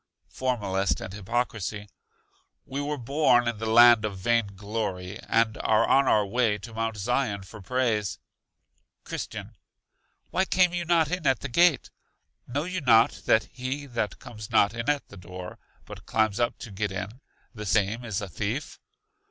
Formalist and Hypocrisy. We were born in the land of Vain glory, and are on our way to Mount Zion for praise. Christian. Why came you not in at the Gate? Know you not that he that comes not in at the door, but climbs up to get in, the same is a thief?